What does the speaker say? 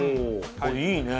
いいね。